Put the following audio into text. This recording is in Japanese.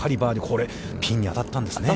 これ、ピンに当たったんですね。